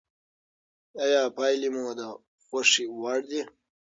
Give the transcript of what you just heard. آیا پایلې مو د خوښې وړ دي؟